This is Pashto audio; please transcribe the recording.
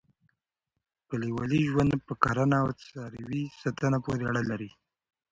کلیوالي ژوند په کرنه او څاروي ساتنه پورې اړه لري.